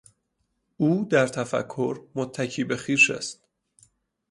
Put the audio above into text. او در تفکر متکی به خویش است.